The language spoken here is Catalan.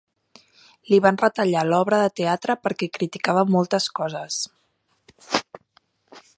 Li van retallar l'obra de teatre perquè criticava moltes coses.